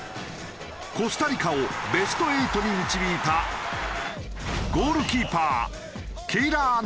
コスタリカをベスト８に導いたゴールキーパー。